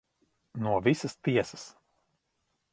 No visas tiesas.